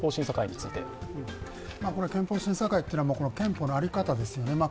この憲法審査会というのは憲法の在り方ですよね。